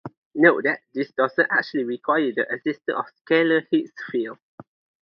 Note that this doesn't actually require the existence of a scalar Higgs field.